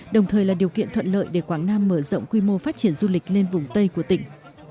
đồng thời là điều kiện thuận lợi để quảng nam mở rộng quy mô phát triển du lịch lên vùng tây của tỉnh